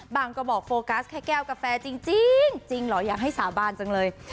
ก็บอกโฟกัสแค่แก้วกาแฟจริงเหรออยากให้สาบานจังเลย